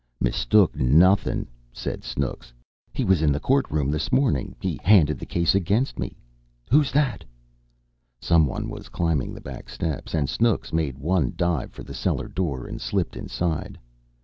"Mistook nothing!" said Snooks. "He was in the court room this morning. He handled the case against me. Who is that?" Some one was climbing the back steps, and Snooks made one dive for the cellar door, and slipped inside.